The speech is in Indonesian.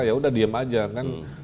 ya udah diem aja kan